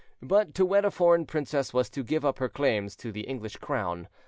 But to wed a foreign prince was to give up her claims to the English crown.